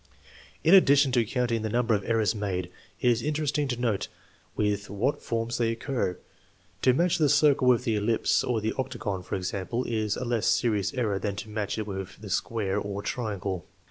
In addition to counting the number of errors made, it is interesting to note with what forms they occur. To match the circle with the ellipse or the octagon, for example, is a less serious error than to match it with the square or triangle.